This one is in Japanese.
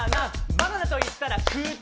バナナといったら靴。